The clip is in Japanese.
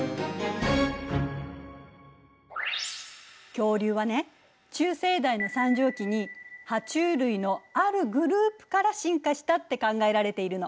恐竜はね中生代の三畳紀にハチュウ類のあるグループから進化したって考えられているの。